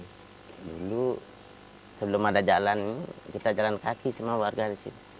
dulu sebelum ada jalan kita jalan kaki semua warga di sini